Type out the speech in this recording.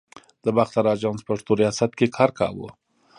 د باختر آژانس پښتو ریاست کې کار کاوه.